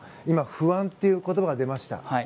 今、不安という言葉が出ました。